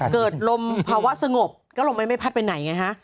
เกิดลมภาวะสงบก็ลมมันไม่พัดไปไหนไงฮะ